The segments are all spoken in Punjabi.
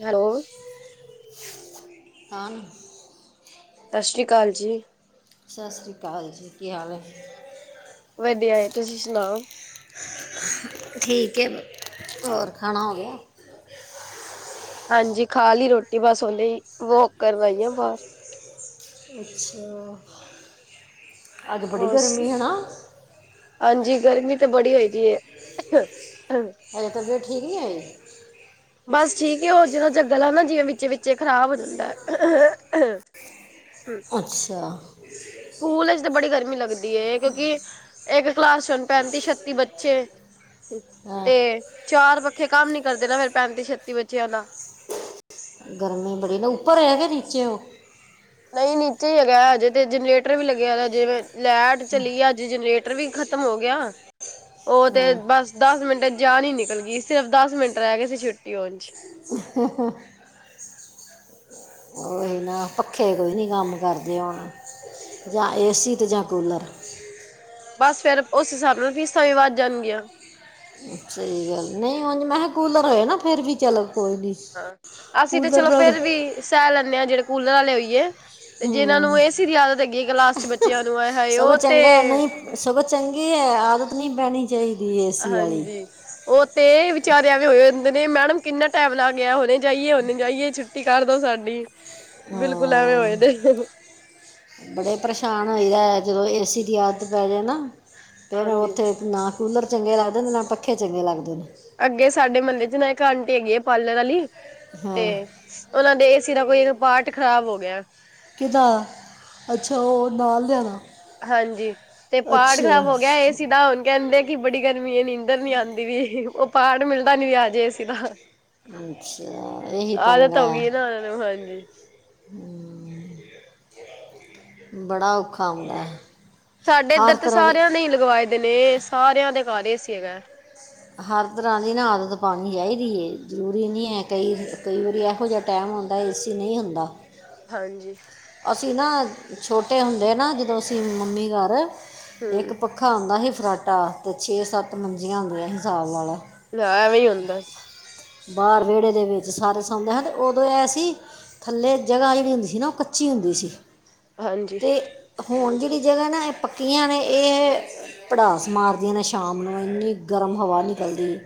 ਹੈਲੋ। ਹਾਨ ਸਤਿ ਸ਼੍ਰੀ ਅਕਾਲ ਜੀ। ਸਤਿ ਸ਼੍ਰੀ ਅਕਾਲ ਜੀ, ਕੀ ਹਾਲ ਐ? ਵਧੀਆ ਏ ਤੁਸੀਂ ਸੁਣਾਓ ਠੀਕ ਏ, ਹੋਰ ਖਾਣਾ ਹੋ ਗਿਆ? ਹਾਂਜੀ, ਖਾ ਲਈ ਰੋਟੀ ਬਸ ਹੂਨੇ ਈ ਵੋਕ ਕਰਨ ਆਈ ਹਾ ਬਾਹਰ। ਅੱਛਾ। ਅੱਜ ਬੜੀ ਬਸ, ਗਰਮੀ ਹੈ ਨਾ ਹਾਂਜੀ, ਗਰਮੀ ਤੇ ਬੜੀ ਹੋਏਦੀ ਐ। ਅਜੇ ਤਬੀਅਤ ਠੀਕ ਨਹੀਂ ਹੌਈ? ਬਸ ਠੀਕ ਏ ਔ ਜਿਰਾ ਜਿਹਾ ਗਲਾ ਨਾ ਜਿਵੇਂ ਵਿੱਚ ਵਿਚ ਖ਼ਰਾਬ ਹੋ ਜਾਂਦਾ ਅੱਛਾ ਸਕੂਲ ਚ ਤੇ ਬੜੀ ਗਰਮੀ ਲੱਗਦੀ ਕਿਉਂਕਿ ਇੱਕ ਕਲਾਸ ਹੂਨ ਪੈਂਤੀ ਛੱਤੀ ਬੱਚੇ ਹਾਂ, ਤੇ ਚਾਰ ਪੱਖੇ ਕੰਮ ਨੀ ਕਰਦੇ ਨਾ ਫੇਰ ਪੈਂਤੀ ਛੱਤੀ ਬੱਚਿਆਂ ਦਾ ਗਰਮੀ ਬੜੀ ਨਾ ਉੱਪਰ ਐ ਕੇ ਨੀਚੇ ਹੋ ਨਹੀਂ ਨੀਚੇ ਹੀ ਹੈਗਾ ਅਜੇ ਤੇ ਜਨਰੇਟਰ ਵੀ ਲੱਗਿਆ ਦਾ ਜਿਵੇਂ ਲੈਟ ਚਲੀ ਆ ਜੀ ਜਨਰੇਟਰ ਵੀ ਖ਼ਤਮ ਹੋ ਗਿਆ ਉਹ ਤੇ ਹਾਂ ਬਸ ਦਸ ਮਿੰਟ ਚ ਜਾਨ ਨਿਕਲ ਗਈ ਸਿਰਫ ਦਸ ਮਿੰਟ ਰਹਿ ਗਏ ਸੀ ਛੁੱਟੀ ਹੌਣ ਚ [inaudible] ਉਹੀ ਨਾ ਪੱਖੇ ਕੋਈ ਨਹੀਂ ਕੰਮ ਕਰਦੇ ਹੁਣ ਜਾਂ ਏ-ਸੀ ਤੇ ਜਾਂ ਕੂਲਰ ਬਸ ਫਿਰ ਉਸ ਹਿਸਾਬ ਨਾਲ ਫੀਸਾੰ ਵੀ ਵੱਧ ਜਾਣਗੀਆਂ ਸਹੀ ਗੱਲ ਏ, ਨਹੀਂ ਉਝ ਮੈਂ ਕਿਹਾ ਕੂਲਰ ਹੋਏ ਨਾ ਫੇਰ ਵੀ ਚੱਲੋ ਕੋਈ ਨੀ ਹਾਂ, ਅਸੀਂ ਤੇ ਚਲੋ ਫੇਰ ਵੀ ਸਹਿ ਲੈਂਨੇ ਹਾਂ ਜਿਹੜੇ ਕੂਲਰ ਵਾਲੇ ਹੋਈਏ ਤੇ ਜਿਨਾਂ ਹੂੰ ਨੂੰ ਏ-ਸੀ ਦੀ ਆਦਤ ਹੈਗੀ ਕਲਾਸ ਚ ਬੱਚਿਆਂ ਨੂੰ ਔਏ ਹਾਏ ਸਗੋਂ ਉਹ ਤੇ ਚੰਗਾ ਹੈ, ਨਹੀਂ ਸਗੋਂ ਚੰਗੀ ਏ, ਆਦਤ ਨਹੀਂ ਪੈਣੀ ਚਾਹੀਦੀ ਏ-ਸੀ ਵਾਲੀ ਹਾਂਜੀ। ਉਹ ਤੇ ਵਿਚਾਰੇ ਏਵੇਂ ਹੋਏ ਹੁੰਦੇ ਨੇ ਮੈਡਮ ਕਿੰਨਾ ਟਾਈਮ ਲੱਗ ਗਿਆ ਹੁਣੇ ਜਾਈਏ ਹੁਣੇ ਜਾਈਏ ਛੂਟੀ ਕਰਦੋ ਸਾਡੀ ਬਿਲਕੁਲ ਐਵੇਂ ਹੋਏ ਹਾਂ ਦੇ ਬੜੇ ਪਰੇਸ਼ਾਨ ਹੋਈ ਦਾ ਐ, ਜਦੋਂ ਏਸੀ ਦੀ ਆਦਤ ਪੈ ਜਾਏ ਨਾ ਫਿਰ ਹਾਂਜੀ। ਉੱਥੇ ਨਾ ਕੂਲਰ ਚੰਗੇ ਲੱਗਦੇ ਨੇ, ਨਾ ਪੱਖੇ ਚੰਗੇ ਲੱਗਦੇ ਨੇ ਅੱਗੇ ਸਾਡੇ ਮਹੱਲੇ ਚ ਨਾ ਇੱਕ ਆਂਟੀ ਹੈਗੀ ਆ ਪਾਰਲਰ ਵਾਲੀ, ਤੇ ਹਾਂ ਉਹਨਾ ਦੇ ਏਸੀ ਦਾ ਕੋਈ ਇੱਕ ਪਾਰਟ ਖ਼ਰਾਬ ਹੋ ਗਿਆ। ਕਿਹਦਾ, ਅੱਛਾ ਉਹ ਨਾਲ ਦੇ ਆ ਦਾ। ਹਾਂਜੀ, ਤੇ ਪਾਰਟ ਖ਼ਰਾਬ ਹੋ ਗਿਆ ਏਸੀ ਦਾ ਹੁਣ ਕਹਿੰਦੇ ਕਿ ਬੜੀ ਗਰਮੀ ਹੈ ਨੀਦਂਰ ਨੀ ਆਉਂਦੀ ਵੀ, ਉਹ ਪਾਰਟ ਮਿਲਦਾ ਨੀ ਆਜੇ ਏਸੀ ਦਾ। ਅੱਛਾ, ਇਹੀ ਆਦਤ ਪੰੰਗਾ ਹੋ ਹੈ। ਗਈ ਨਾ ਉਹਨਾਂ ਨੂੰ ਹਾਂਜੀ ਹੂੰ ਬੜਾ ਔਖਾ ਹੌਦਾਂ ਐ। ਸਾਡੇ ਇੱਧਰ ਤੇ ਸਾਰਿਆਂ ਨੇ ਹੀ ਲਗਵਾਏ ਦੇ ਨੇ, ਸਾਰਿਆਂ ਦੇ ਘਰ ਏਸੀ ਹੈਗਾ। ਹਰ ਤਰਾਂ ਦੀ ਨਾ ਆਦਤ ਪਾਣੀ ਚਾਹੀਦੀ ਹੈ, ਜ਼ਰੂਰੀ ਨਹੀਂ ਹੈ ਕਈ, - ਕਈ ਵਾਰੀ ਇਹੋ ਜਿਹਾ ਟਾਈਮ ਹੁੰਦਾ ਏ ਸੀ ਨਹੀਂ ਹੁੰਦਾ। ਹਾਨਜੀ। ਅਸੀਂ ਨਾ ਛੋਟੇ ਹੁੰਦੇ ਨਾ ਜਦੋਂ ਅਸੀਂ ਮੰਮੀ ਘਰ, ਇੱਕ ਹਮ ਪ ਖਾ ਹੌਦਾਂ ਸੀ ਫਰਾਟਾ ਤੇ ਛੇ- ਸੱਤ ਮੰਜੀਆਂ ਹੁੰਦੀਆਂ ਸੀ, ਹਿਸਾਬ ਲਾਲੇ ਲੈ ਐਵੇਂ ਹੀ ਹੁੰਦਾ। ਬਾਹਰ ਵਿਹੜੇ ਦੇ ਵਿੱਚ ਸਾਰੇ ਸੌਂਦੇ ਹਨ, ਤੇ ਉਦੋਂ ਇਹ ਸੀ ਥੱਲੇ ਜਗਾ ਜਿਹੜੀ ਹੁੰਦੀ ਸੀ ਨਾ, ਉਹ ਕੱਚੀ ਹੁੰਦੀ ਸੀ ਹਾਂਜੀ ਤੇ ਹੁਣ ਜਿਹੜੀ ਜਗਾ ਨਾ ਇਹ ਪੱਕੀਆਂ ਨੇ ਇਹ ਪੜਾਸ ਮਾਰਦੀਆਂ ਨੇ ਸ਼ਾਮ ਨੂੰ ਇੰਨੀ ਗਰਮ ਹਵਾ ਨਿਕਲਦੀ ਐ,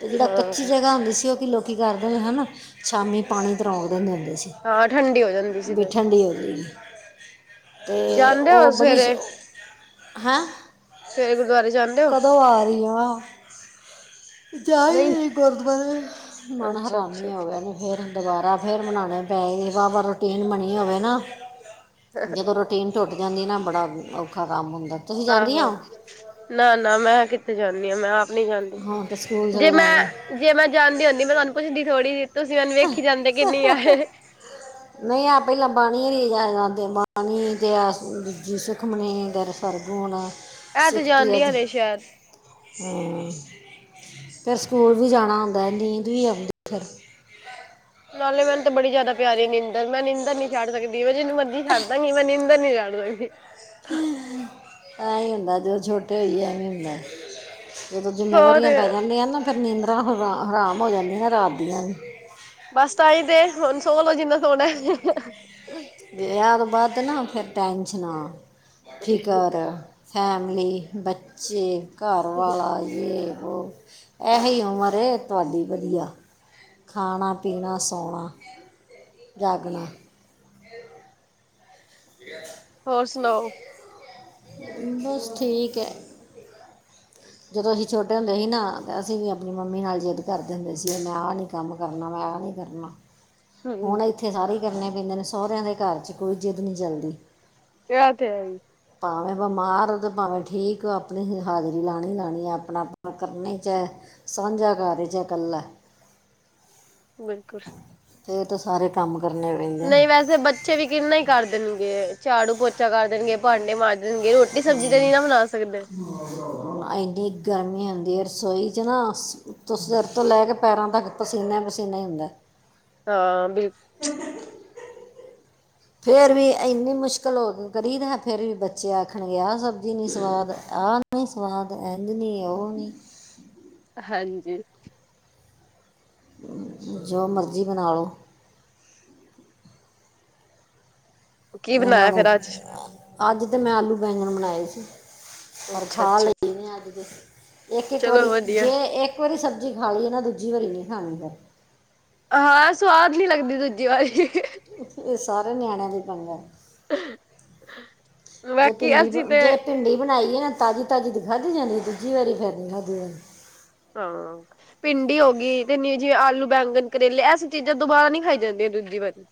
ਤੇ ਜਿਹੜਾ ਕੱਚੀ ਹਾਂ ਜਗਾ ਹੁੰਦੀ ਸੀ ਉਹ ਕਿ ਲੋਕ ਕੀ ਕਰਦੇ ਹੈ ਨਾ, ਸ਼ਾਮੀ ਪਾਣੀ ਤਰੋਂਕ ਦਿੰਦੇ ਹੁੰਦੇ ਸੀ। ਹਾਂ ਠੰਡੀ ਹੋ ਜਾਂਦੀ ਸੀ ਵੀ ਫਿਰ ਠੰਢੀ ਹੋਜੇਗੀ। ਤੇ ਜਾਂਦੇ ਹੋ ਉਹ ਬੜੀ, ਸਵੇਰੇ ਹੈਂ ਸਵੇਰੇ ਗੁਰਦੁਆਰੇ ਜਾਂਦੇ ਹੋ ਕਦੋਂ ਆ ਰਹੀ ਆ- ਜਾ ਹੀ ਨਹੀਂ ਗੁਰਦੁਆਰੇ, ਮਨ ਅੱਛਾ ਹਰਾਮੀ ਅੱਛਾ ਹੋ ਗਿਆ ਵੇ ਫੇਰ ਦੁਬਾਰਾ ਫੇਰ ਮਨਾਉਣੇ ਪੈ ਗਏ ਵਾਵਾ ਰੂਟੀਨ ਬਣੀ ਹੋਵੇ ਨਾ, ਜਦੋਂ ਰੂਟੀਨ ਟੁੱਟ ਜਾਂਦੀ ਨਾ ਬੜਾ ਔਖਾ ਕੰਮ ਹੁੰਦਾ। ਤੁਸੀਂ ਜਾਂਦੀਆਂ ਆਹੋ, ਹੋ? ਨਾ- ਨਾ ਮੈਂ ਕਿਥੇ ਜਾਂਦੀ ਆ ਮੈਂ ਆਪ ਨੀ ਜਾਂਦੀ। ਹਾਂ ਤੇ ਸਕੂਲ ਜੇ ਚਲੇ ਜਾਦੇ। ਮੈਂ ਜੇ ਮੈਂ ਜਾਣਦੀ ਹੁੰਦੀ ਮੈਂ ਤੁਹਾਨੂੰ ਪੁੱਛਦੀ ਥੋੜੀ ਜਿ ਤੁਸੀਂ ਮੈਨੂੰ ਵੇਖੀ ਜਾਂਦੇ ਕਿਨੀ ਆ ਨਹੀਂ ਆ ਪਹਿਲਾਂ ਬਾਣੀ ਜਾ ਬਾਣੀ ਆ ਦੂਜੀ ਸੁਖਮਨੀ ਗ ਹਰਗੂਨ ਇਹ ਤੇ ਸਿੱਫਤੀ ਅਜ ਜਾਂਦੀਆਂ ਨੇ ਸ਼ਾਇਦ। ਹੂੰ ਫੇਰ ਸਕੂਲ ਵੀ ਜਾਣਾ ਹੁਦਾੰ, ਨੀਦ ਵੀ ਆਦੀੰ ਫੇਰ। ਨਾਲੇ ਮੈਨੂ ਤਾਂ ਬੜੀ ਜ਼ਿਆਦਾ ਪਿਆਰੀ ਨੀਦੰਰ ਮੈਂ ਨੀਦੰਰ ਨੀ ਛੱ ਸਕਦੀ ਮੈ ਜਿਨੂ ਮਰਜੀ ਛੱਡਾਂਗੀ ਮੈਂ ਨੀਂਦਰ ਨੀ ਛਡ [unintelligible] ਨੀਂਦ ਆ ਰਹੀ ਐਵੇਂ ਹੁੰਦਾ, ਦਿਨ ਛੋਟੇ ਹੋਏ ਐਵੇਂ ਹੁੰਦਾ। ਜਦੋਂ ਹੋਰ ਜਿੰਮੇਵਾਰੀਆਂ ਪੈ ਜਾਂਦੀਆਂ ਨਾ ਫੇਰ ਨੀਂਦਰਾ ਹਰਾਮ ਹੋ ਜਾਂਦੀਆਂ ਰਾਤ ਦੀਆਂ ਵੀ। ਬਸ ਤਾਂਹੀ ਤੇ, ਹੁਣ ਸੋ ਲਓ ਜਿੰਨਾ ਸੋਣਾ ਏ। ਵਿਵਾਹ ਤੌ ਬਾਦ ਨਾ ਫੇਰ ਟੈਨਸ਼ਨਾ, ਫਿਕਰ। ਫੈਮਲੀ, ਬੱਚੇ, ਘਰ ਵਾਲਾ। ਜੇ ਬੋ ਇਹੀ ਉਮਰ ਤੁਹਾਡੀ ਵਧੀਆ। ਖਾਣਾ, ਪੀਣਾ, ਸੌਣਾ, ਜਾਗਣਾ। ਠੀਕ ਹੈ। ਹੋਰ ਸੁਣਾਓ? ਬਸ ਠੀਕ ਹੈ। [inaudible] ਜਦੋਂ ਅਸੀਂ ਛੋਟੇ ਹੁੰਦੇ ਸੀ ਨਾ, ਅਸੀਂ ਵੀ ਆਪਣੀ ਮੰਮੀ ਨਾਲ ਜਿੱਦ ਕਰਦੇ ਹੁੰਦੇ ਸੀ ਮੈਂ ਆਹ ਨਹੀਂ ਕੰਮ ਕਰਨਾ, ਮੈਂ ਆ ਨਹੀਂ ਕਰਨਾ। ਹ [inaudible] ਹੁਣ ਇੱਥੇ ਸਾਰੇ ਕਰਨੇ ਪੈਂਦੇ ਨੇ, ਸਹੁਰਿਆਂ ਦੇ ਘਰ 'ਚ ਕੋਈ ਜਿੱਦ ਨਹੀਂ ਚੱਲਦੀ। ਤੇ, ਆ ਤੇ ਹੈ ਹੀ। ਭਾਵੇਂ ਬਿਮਾਰ ਤੇ ਭਾਵੇਂ ਠੀਕ ਹੋ, ਆਪਣੀ ਹਾਜ਼ਰੀ ਲਾਣੀ ਲਾਣੀ ਹੈ, ਆਪਣਾ ਆਪ ਕਰਨੇ 'ਚ ਸਾਂਝਾ ਘਰ ਹੈ ਜਾ ਕੱਲਾ। [inaudible] ਬਿਲਕੁਲ। ਫਿਰ ਤਾਂ, ਸਾਰੇ ਕੰਮ ਕਰਨੇ ਪੈਂਦੇ ਨੇ। ਨਹੀਂ ਵੈਸੇ ਬੱਚੇ ਵੀ ਕਿੰਨਾ ਹੀ ਕਰ ਦੇਣਗੇ, ਝਾੜੂ ਪੋਚਾ ਕਰ ਦੇਣਗੇ, ਭਾਂਡੇ ਮਾਂਜ ਗੇ, ਰੋਟੀ ਸਬਜ਼ੀ ਤੇ ਨਹੀਂ ਨਾ ਬਣਾ ਸਕਦੇ। ਹੁਣ ਇੰਨੀ ਗਰਮੀ ਹੁੰਦੀ ਰਸੋਈ 'ਚ, ਨਾ ਤੇ ਸਿਰ ਤੋਂ ਲੈ ਕੇ ਪੈਰਾਂ ਤੱਕ, ਪਸੀਨਾ ਹੀ ਪਸੀਨਾ ਹੀ ਹੁੰਦਾ। ਹਾਂ, ਬਿ ਫਿਰ ਵੀ ਇੰਨੀ ਮੁਸ਼ਕਿਲ ਹੋ ਕੇ ਕਰੀਦਾ, ਫਿਰ ਵੀ ਬੱਚੇ ਆਖਣਗੇ ਆਹ ਸਬਜ਼ੀ ਨਹੀਂ ਸਵਾਦ, ਆਹ ਸਵਾਦ, ਐਂਝ ਨਹੀਂ, ਉਹ ਨਹੀਂ ਹਾਂਜੀ। ਜੋ ਮਰਜ਼ੀ ਬਣਾ ਲਓ ਕੀ ਇਹਨਾਂ ਬਣਾਇਆ ਨੂੰ, ਫੇਰ ਅੱਜ? ਅੱਜ ਤੇ ਮੈਂ ਆਲੂ ਬੈਂਗਣ ਬਣਾਏ ਸੀ। ਪਰ ਖਾ ਅੱਛਾ-ਅੱਛਾ, ਲਈ ਅੱਜ ਤੇ, ਇੱਕ ਇੱਕ ਚਲੋ ਵਾਰੀ, ਵਧੀਆ। ਜੇ ਇੱਕ ਇੱਕ ਵਾਰੀ ਸਬਜ਼ੀ ਖਾ ਲਈ ਏ ਨਾ, ਦੂਜੀ ਵਾਰੀ ਨੀ ਖਾਣੀ। ਹਾਂ, ਸਵਾਦ ਨੀ ਲੱਗਦੀ ਦੂਜੀ ਵਾਰੀ। ਇਹ ਸਾਰੇ, ਨਿਆਣਿਆਂ ਦੀ ਪੰਗਾ ਏ। ਜੇ ਬਾਕੀ ਭਿੰਡੀ, ਅਸੀਂ ਤੇ ਜੇ ਭਿੰਡੀ ਬਣਾਈਏ ਨਾ ਤਾਜ਼ੀ, ਤਾਜ਼ੀ ਦੀ ਖਾਧੀ ਜਾਂਦੀ, ਦੂਜੀ ਵਾਰੀ ਫੇਰ 'ਨ ਖਾਧੀ ਜਾਦੀ। ਹਾਂ। ਭਿੰਡੀ ਹੋ ਗਈ, ਤੇ ਨੀ ਜਿਵੇਂ ਆਲੂ ਬੈਂਗਣ, ਕਰੇਲੇ, ਐਸ ਚੀਜ਼ਾਂ ਦੁਬਾਰਾ ਨੀ ਖਾਈ ਜਾਂਦੀਆਂ ਦੂਜੀ ਵਾਰੀ।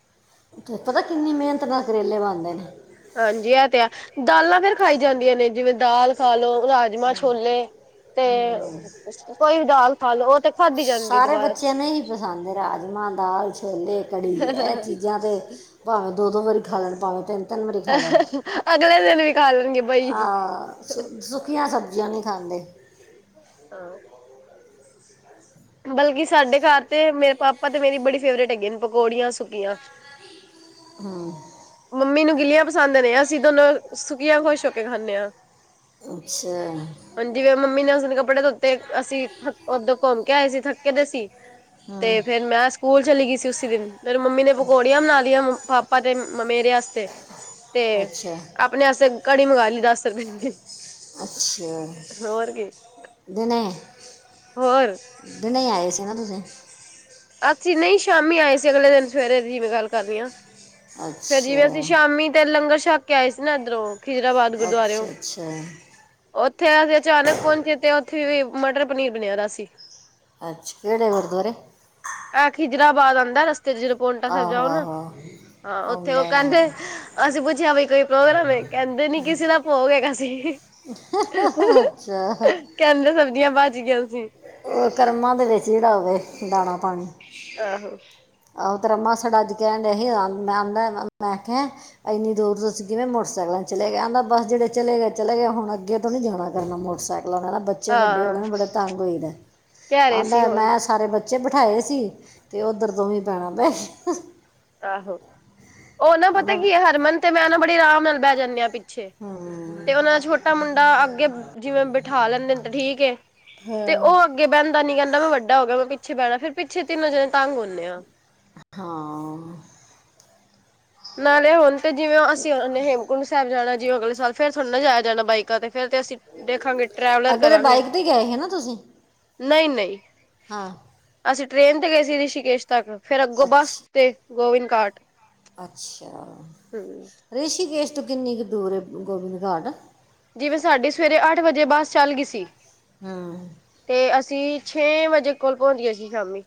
ਪਤਾ, ਕਿੰਨੀ ਮਿਹਨਤ ਨਾਲ ਕਰੇਲੇ ਬਣ ਦੇ ਨੇ। ਹਾਂਜੀ ਇਹ ਤੇ ਆ, ਦਾਲਾਂ ਫੇਰ ਖਾਈ ਜਾਂਦੀਆਂ ਨੇ, ਜਿਵੇਂ ਦਾਲ ਖਾਲੋ, ਰਾਜਮਾਂਹ, ਛੋਲੇ ਤੇ ਕੋਈ ਵੀ ਦਾਲ ਖਾਲੋ, ਉਹ ਤੇ ਖਾਧੀ ਜਾਂਦੀ ਸਾਰੇ ਦੁਬਾਰਾ। ਬੱਚਿਆਂ ਨੂੰ ਹੀ ਪਸੰਦ ਰਾਜਮਾਂਹ, ਦਾਲ, ਛੋਲੇ, ਕੜੀ ਏਹ ਚੀ ਜਾਂ ਤਾਂ ਭਾਵੇਂ, ਦੋ ਦੋ ਵਾਰੀ ਖਾ ਲੈਣ, ਭਾਵੇਂ ਤਿੰਨ ਵਾਰੀ ਅਗਲੇ ਦਿਨ ਵੀ ਖਾ ਲੈਣਗੇ ਬਈ, ਆਹ ਸੁ, ਸੁਕੀਆਂ ਸਬਜ਼ੀਆਂ ਨਹੀਂ ਖਾਂਦੇ। ਹਾਂ। ਬਲਕਿ ਸਾਡੇ ਘਰ ਤੇ, ਮੇਰੇ ਪਾਪਾ ਤੇ ਮੇਰੀ ਬੜੀ ਫੇਵਰੇਟ ਹੈਗੀ ਨੇ ਪਕੌੜੀਆਂ ਸੁੱਕੀਆਂ। [inaudible] ਹੂ। ਮੰਮੀ ਨੂੰ ਗਿੱਲੀਆਂ ਪਸੰਦ ਨੇ, ਅਸੀਂ ਦੋਨੋਂ ਸੁੱਕੀਆਂ ਖੁਸ਼ ਹੋ ਕੇ ਖਾਂਦੇ ਹਾਂ। ਅੱਛਾ। ਹ ਜਿਵੇਂ ਮੰਮੀ ਨੇ ਉਸ ਦਿਨ ਕੱਪੜੇ ਧੋਤੇ, ਅਸੀਂ ਓਦੋਂ ਘੁੰਮ ਕੇ ਆਏ ਸੀ, ਥੱਕੇ ਦੇ ਸੀ ਤੇ ਫੇਰ, ਮੈਂ ਸਕੂਲ ਚਲੀ ਗਈ ਸੀ ਉਸੀ ਦਿਨ ਮੇਰੀ ਮੰਮੀ ਨੇ ਪਕੌੜੀਆਂ ਬਣਾ ਲਈਆਂ, ਪਾਪਾ ਤੇ ਮੇਰੇ ਵਾਸਤੇ, ਤੇ ਆਪਣੇ ਅਸੇ ਕੜੀ ਮੰਗਾ ਲੀ ਦਸ ਰੁਪਏ ਦੀ, ਹੋਰ ਕੀ ਦਿਨੇ ਹੋਰ ਦਿਨੇ ਈ ਆਏ ਸੀ ਨਾ ਤੁਸੀਂ। ਅੱਸੀਂ ਨਈ ਸ਼ਾਮੀ ਆਏ ਸੀ। ਅਗਲੇ ਦਿਨ ਸਵੇਰੇ ਦੀ ਮੈਂ ਗੱਲ ਕਰ ਰੀ ਆਂ। ਫੇਰ ਜਿਵੇਂ ਅਸੀਂ ਅੱਛਾ ਸ਼ਾਮੀ ਤੇ ਲੰਗਰ ਛਕ ਕੇ ਆਏ ਸੀ ਨਾ ਏਧਰੋਂ। ਖਿਜਰਾਬਾਦ ਗੁਰਦੁਆਰੇਓ। ਅੱਛਾ ਅੱਛਾ ਓਥੇ ਅਸੀ ਅਚਾਨਕ ਪਹੁੰਚੇ ਤੇ ਓਥੇ ਵੀ ਮਟਰ ਪਨੀਰ ਬਣਿਆ ਦਾ ਸੀ। ਅੱਛਾ ਕੇੜੇ ਗੁਰਦੁਆਰੇ। ਐ ਖਿਜਰਾਬਾਦ ਆਂਦਾ ਰਸਤੇ ਚ। ਜਦੋ ਪੋਂਟਾ ਸੈਬ ਆਹੋ ਜਾਓ ਨਾ। ਆਹੋ ਹਾਂ ਓਥੇ ਓ ਆਉਂਦਾ ਕੈਂਦੇ ਅਸੀਂ ਪੁੱਛਿਆ ਬਈ ਕੋਈ ਪ੍ਰੋਗਰਾਮ ਏ, ਕੈਂਦੇ ਨੀ ਕਿਸੇ ਦਾ ਭੋਗ ਹੇਗਾ ਸੀਂ। ਹਾਂ ਹਾਂ ਹਾਂ ਅੱਛਾ। ਕੈਂਦੇ ਸਬਜ਼ੀਆਂ ਬਚ ਗੀਆਂ ਸੀ। ਓ ਕਰਮਾਂ ਦੇ ਵਿੱਚ ਜੇੜਾ ਹੋਵੇ, ਦਾਣਾ -ਪਾਣੀ। ਆਹੋ। ਆਹੋ ਤੇਰਾ ਮਾਸੜ ਅੱਜ ਕੈਣ ਡਿਆ ਸੀ। [unintelligible] ਏਨੀ ਦੂਰ ਤੁਸੀਂ ਕਿਵੇਂ ਮੋਟਰਸਾਈਕਲਾਂ ਚਲੇ ਗਏ। ਆਂਦਾ ਬੱਸ ਜੜੇ ਚਲੇ ਗਏ ਚਲੇ ਗਏ, ਹੁਣ ਅੱਗੇ ਤੋਂ ਨੀ ਜਾਣਾ ਕਰਨਾ ਮੋਟਰਸਾਈਕਲ ਲਾ ਬੱਚੇ ਵੱਡੇ ਹੋਗੇ ਹਾਂ ਨੇ ਬੜਾ ਤੰਗ ਹੋਈਦੈ। ਕਹਿ ਰਹੇ ਸੀ ਆਂਦਾ ਹੁਣ ਮੈਂ ਸਾਰੇ ਬੱ ਚੇ ਬਠਾਏ ਸੀ, ਤੇ ਓਧਰ ਦੋਵੇਂ ਭੈਣਾਂ ਬੈ ਗੀਆ। ਆਹੋ ਓ ਨਾ ਪਤਾ ਆਂਦਾ ਕੀ ਏ, ਹਰਮਨ ਤੇ ਮੈਂ ਨਾ ਬੜੀ ਅਰਾਮ ਨਾਲ ਬੈ ਜਾਂਨੇ ਆਂ ਪਿ ਛੇ। ਤੇ ਹਮ, ਓਨਾ ਦਾ ਛੋਟਾ ਮੁੰਡਾ ਅੱਗੇ ਜਿਵੇਂ ਬਿਠਾ ਲੈਂਨੇ ਤੇ ਠੀਕ ਏ। ਤੇ ਹਾਂ ਓ ਅੱਗੇ ਬੈਂਦਾ ਨੀ। ਕੈਂਦਾ ਮੈਂ ਵੱਡਾ ਹੋ ਗਿਆ ਮੈਂ ਪਿੱਛੇ ਬੈਣਾ ਫੇਰ ਪਿੱਛੇ ਤਿੰਨੋ ਜਣੇ ਤੰਗ ਹੁੰਨੇ ਆਂ। ਹਾਂ ਨਾਲੇ ਹੁਣ ਤੇ ਜਿਵੇਂ ਓ ਅਸੀਂ ਹੇਮਕੁੰਡ ਸੈਬ ਜਾਣਾ ਜਿਵੇਂ ਅਗਲੇ ਸਾਲ। ਫੇਰ ਥੋੜਾ ਨਾ ਜਾਾਇਆ ਜਾਣਾ ਬਾਈਕਾਂ ਤੇ ਫੇਰ ਤੇ ਅਸੀਂ- ਦੇਖਾਂਗੇ ਟਰੈਵਲਰ ਅੱਗੇ ਤੇ ਕਰਾਂਗੇ। ਬਾਈਕ ਤੇ ਗਏ ਹੈ ਨਾ ਤੁਸੀਂ ਨ‌ਈ ਨਈ। ਹਾਂ ਅਸੀਂ ਟ੍ਰੇਨ ਤੇ ਗਏ ਸੀ ਰਿਸ਼ੀਕੇਸ਼ ਤੱਕ, ਫੇਰ ਅੱਗੋਂ ਬੱਸ ਅੱਛਾ ਤੇ ਗੋਵਿੰਦ ਘਾਟ। ਅੱਛਾ ਹੂੰ ਰਿਸ਼ੀਕੇਸ਼ ਤੋਂ ਕਿੰਨੀ ਕੁ ਦੂਰ ਏ ਗੋਬਿੰਦ ਘਾਟ। ਜਿਵੇਂ ਸਾਡੀ ਸਵੇਰੇ ਅੱਠ ਵਜੇ ਬੱਸ ਚੱਲ ਗਈ ਸੀ। ਹਾਂ ਤੇ ਅਸੀਂ ਛੇ ਵਜੇ ਕੋਲ ਪੋਂਚ ਗੇ ਸੀ ਸ਼ਾਮੀ।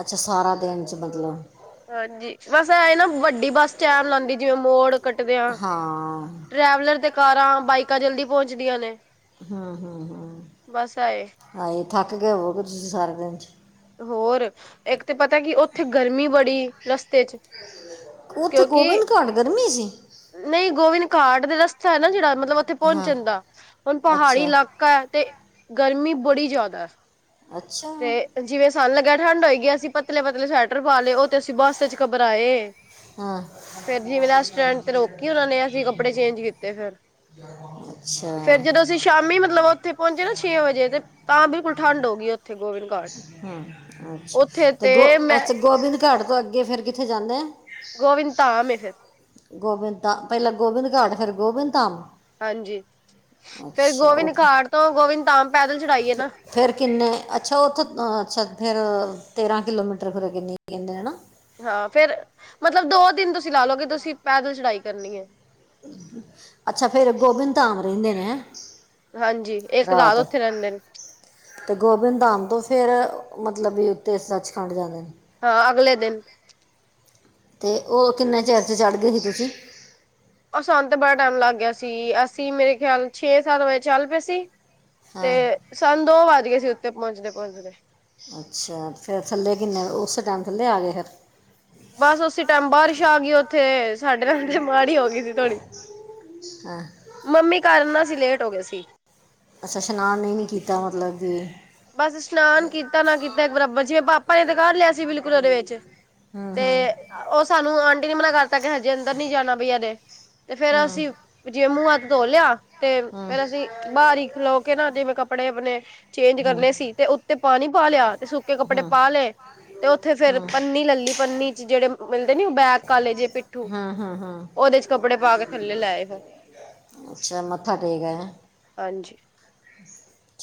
ਅੱਛਾ ਸਾਰਾ ਦਿਨ ਚ ਮਤਲਬ। ਹਾਂਜੀ ਬਸ ਐ ਏ ਨਾ ਵੱਡੀ ਬੱਸ ਟੈਮ ਲਾਂਦੀ ਜਿਵੇਂ ਮੋੜ- ਕੱਟਦਿਆਂ। ਹਾਂ ਟਰੈਵਲਰ ਤੇ ਕਾਰਾਂ, ਬਾਈਕਾਂ ਜਲਦੀ ਪਹੁੰਚਦੀਆਂ ਨੇ। ਹੂੰ ਹੂੰ ਹੂੰ, ਬਸ ਆਏ ਹਾਏ ਥੱਕ ਕੇ ਹੋਵੋਗੇ ਤੁਸੀਂ ਸਾਰਾ ਦਿਨ ਚ। ਹੋਰ ਇੱਕ ਤੇ ਪਤਾ ਕੀ ਓਥੇ ਗਰਮੀ ਬੜੀ। ਰਸਤੇ ਚ ਕਿਉਂਕਿ- ਭਰ ਗਰਮੀ ਸੀ। ਨਈ ਗੋਵਿੰਦ ਘਾਟ ਦੇ ਰਸਤਾ ਐ ਨਾ ਜੇੜਾ ਮਤਲਬ ਓਥੇ ਹਾਂ ਪੋਂਚਣ ਦਾ। ਹੁਣ ਪਹਾੜੀ ਅੱਛਾ ਇਲਾ- ਕਾ ਏ ਤੇ, ਗਰਮੀ ਬੜੀ ਜਾਦੈ। ਅੱਛਾ ਜਿਵੇਂ ਸਾਨੂੰ ਲੱਗਿਆ ਠੰਢ ਹੋਏਗੀ, ਅਸੀਂ ਪਤਲੇ ਪਤਲੇ ਸਵੈਟਰ ਪਾ ਲੇ। ਓ ਤੇ ਅਸੀਂ ਬਸੇ ਚ ਘਬਰਾਏ। ਹਾਂ ਫੇਰ ਜਿਵੇਂ ਰੈਸਟੋਰੈਂਟ ਤੇ ਰੋਕੀ ਓਨਾ ਨੇ ਅਸੀਂ ਕੱਪੜੇ ਚੇਂਜ ਕੀਤੇ ਫੇਰ। ਫੇਰ ਅੱਛਾ ਜਦੋਂ ਅਸੀਂ ਸ਼ਾਮੀ ਮਤਲਬ ਓਥੇ ਪਹੁੰਚੇ ਨਾ ਛੇ ਵਜੇ ਤੇ ਤਾਂ ਬਿਲਕੁਲ ਠੰਢ ਹੋ ਗਈ ਓਥੇ। ਹੂੰ, ਅੱਛਾ! ਉੱਥੇ ਤੇ ਗੋ- ਮੈਂ ਅਛ ਗੋਬਿੰਦ ਘਾਟ ਤੋਂ ਅੱਗੇ ਫੇਰ ਕਿੱਥੇ ਜਾਂਨੇ ਆ? ਗੋਵਿੰਦ ਧਾਮ ਏ ਫੇਰ। ਗੋਬਿੰਦ ਤਾਂ ਪਹਿਲਾਂ ਗੋਬਿੰਦ ਘਾਟ ਫੇਰ ਗੋਬਿੰਦ ਧਾਮ। ਹਾਂਜੀ, ਫੇਰ ਅੱਛਾ ਉਹ ਗੋਵਿਨ ਘਾਟ ਤੋਂ ਗੋਵਿਨ ਧਾਮ ਪੈਦਲ ਚੜਾਈ ਏ ਨਾ। ਫਿਰ- ਫਿਰ ਕਿੰਨੇ ਅੱਛਾ ਉੱਥੇ-ਅੱਛਾ ਫਿਰ ਤੇਰ੍ਹਾਂ ਕਿਲੋਮੀਟਰ ਫਿਰ ਅੱਗੇ ਗਿਨਦੇ ਹੈਨਾ। ਹਾਂ ਫੇਰ, ਮਤਲਬ ਦੋ ਦਿਨ ਤੁਸੀਂ ਲਾ ਲੋ ਕਿ ਤੁਸੀਂ ਪੈਦਲ ਚੜਾਈ ਕਰਨੀ ਏ। ਅੱਛਾ ਫੇਰ ਗੋਬਿੰਦ ਧਾਮ ਰਹਿੰਦੇ ਨੇ ਹੈਂ। ਹਾਂਜੀ ਏਕ ਰਾਤ ਉੱਥੇ ਰੈਂਦੇਨ। ਤੇ ਗੋਬਿੰਦ ਧਾਮ ਤੋਂ ਫੇਰ ਮਤਲਬ ਵੀ ਉਤੇ ਸੱਚਖੰਡ ਜਾਂਦੇ ਨੇ। ਹਾਂ ਅਗਲੇ ਦਿਨ। ਤੇ ਓ ਕਿੰਨੇ ਚਿਰ ਚ ਚੜ੍ਹਗੇ ਸੀ ਤੁਸੀਂ? ਓ ਸਾਨ ਤੇ ਬੜਾ ਟੈਮ ਲੱਗ ਗਿਆ ਸੀ ਅਸੀਂ ਮੇਰੇ ਖਿਆਲ ਛੇ, ਸਤ ਵਜੇ ਚੱਲ ਪੇ ਸੀ। ਤੇ ਹਾਂ ਸਾਨ ਦੋ ਵੱਜ ਗਏ ਸੀ ਉੱਤੇ ਪਹੁੰਚਦੇ- ਪਹੁੰਚਦੇ। ਅੱਛਾ ਫਿਰ ਥੱਲੇ ਕਿੰਨੇ, ਉਸੇ ਟੈਮ ਥੱਲੇ ਆ ਗਏ ਫਿਰ। ਬਸ ਉਸੇ ਟੈਮ ਬਾਰਿਸ਼ ਆ ਗੀ ਓਥੇ, ਸਾਡੇ ਨਾਲ ਤੇ ਮਾੜੀ ਹੋ ਗੀ ਸੀ ਥੋੜੀ। ਹਾਂ। ਮੰਮੀ ਘਰ ਨਾ ਆਸੀ ਲੇਟ ਹੋ ਗੇ ਸੀ। ਅੱਛਾ ਸ਼ਨਾਨ ਈ ਨੀ ਕੀਤਾ ਮਤਲਬ ਕੀ। ਬਸ ਇਸ਼ਨਾਨ ਕੀਤਾ ਨਾ ਕੀਤਾ ਏਕ ਬਰਾਬਰ ਜਿਵੇਂ ਪਾਪਾ ਨੇ ਤੇ ਕਰ ਲਿਆ ਸੀ ਬਿਲ ਬਿਲਕੂਲ ਓਦੇ ਵਿੱਚ ਤੇ ਓ ਸਾਨੂੰ ਆਂਟੀ ਨੇ ਮਨਾ ਕਰਤਾ ਕਿ ਹਜੇ ਅੰਦਰ ਨੀ ਜਾਨਾ ਬਈ ਐਦੇ ਤੇ ਫੇਰ ਅਸੀਂ ਜਿਵੇਂ ਮੂੰ ਹੱਥ ਧੋ ਲਿਆ ਤੇ ਫੇਰ ਅਸੀਂ ਬਾਰ ਹੀ ਖਲੋ ਕੇ ਨਾ ਜਿਵੇਂ ਕੱਪੜੇ ਅਪਨੇ ਚੇ ਚੇਂਜ ਕਰਨੇ ਸੀ ਤੇ ਉੱਤੇ ਪਾਣੀ ਪਾ ਲਿਆ ਤੇ ਸੁੱਕੇ ਕੱਪੜੇ ਪਾ ਲੇ। ਤੇ ਉੱਥੇ ਫੇਰ ਪੰਨੀ ਲੈ ਲੀ। ਪੰਨੀ ਚ ਜੇੜੇ ਮਿਲਦੇ ਨੀ ਓ ਬੈਗ ਕਾਲੇ ਜੇ ਪਿੱਠੂ। ਹਾਂ- ਹਾਂ- ਹਾਂ। ਓਦੇ ਚ ਕੱਪੜੇ ਪਾ ਕੇ ਥੱਲੇ ਲੈ ਆਏ ਫੇਰ। ਅੱਛਾ, ਮੱਥਾ ਟੇਕ ਆਏ ਹੈ। ਹਾਂਜੀ।